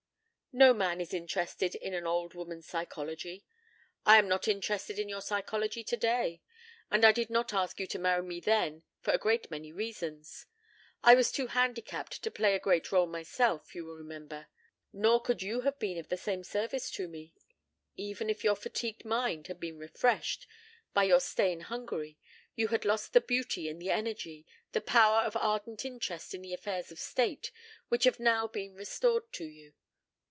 "No man is interested in an old woman's psychology. I am not interested in your psychology today. And I did not ask you to marry me then for a great many reasons. I was too handicapped to play a great rôle myself, you will remember. Nor could you have been of the same service to me. Even if your fatigued mind had been refreshed, by your stay in Hungary, you had lost the beauty and the energy, the power of ardent interest in the affairs of state, which have now been restored to you.